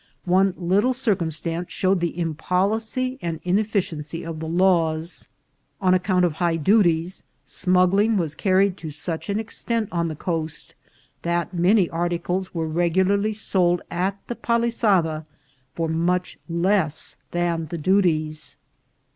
One little circumstance showed the impolicy and ineffi ciency of the laws. On account of high duties, smug gling was carried to such an extent on the coast that many articles were regularly sold at the Palisada for much less than the duties.